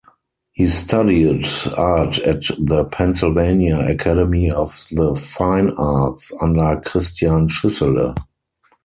He studied art at the Pennsylvania Academy of the Fine Arts under Christian Schuessele.